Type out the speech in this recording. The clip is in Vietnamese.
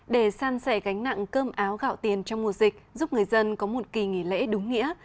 để san sẻ gánh nặng cơm áo gạo tiền trong mùa dịch giúp người dân có một kỳ nghỉ lễ đúng nghĩa